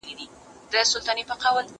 سترګي سرې غټه سینه ببر برېتونه